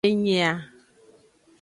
Enyi a.